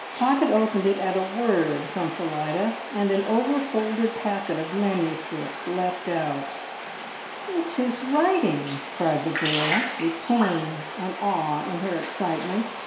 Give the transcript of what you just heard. Pocket opened it at a word from Phillida, and an over folded packet of MS. leapt out. "It's his writing!" cried the girl, with pain and awe in her excitement.